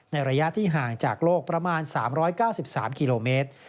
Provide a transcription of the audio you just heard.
ระยะที่ห่างจากโลกประมาณ๓๙๓กิโลเมตร